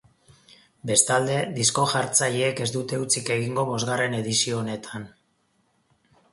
Bestalde, disko-jartzaileek ez dute hutsik egingo bosgarren edizio honetan.